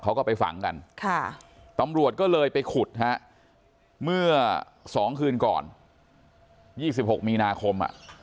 เขาก็ไปฝังกันตำรวจก็เลยไปขุดฮะเมื่อ๒คืนก่อน๒๖มีนาคม